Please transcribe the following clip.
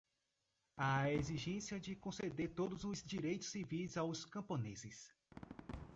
à exigência de conceder todos os direitos civis aos camponeses